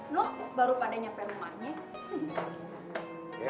no baru pada nyampe rumahnya